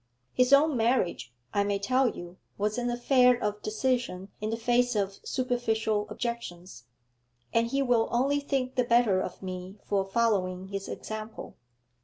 His own marriage, I may tell you, was an affair of decision in the face of superficial objections, and he will only think the better of me for following his example.